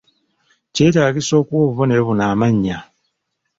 Kyetaagisa okuwa obubonero buno amannya